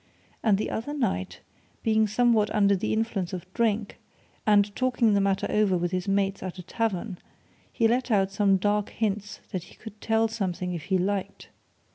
And the other night, being somewhat under the influence of drink, and talking the matter over with his mates at a tavern, he let out some dark hints that he could tell something if he liked.